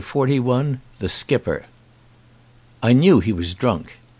163 XLI THE SKIPPER I KNEW he was drunk.